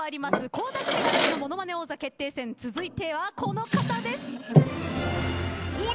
倖田來未だらけのものまね王座決定戦続いてはこの方です。